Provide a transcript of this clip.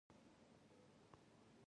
د بخش اباد بند په فراه کې دی